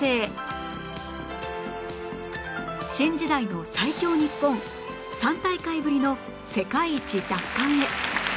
新時代の最強日本３大会ぶりの世界一奪還へ！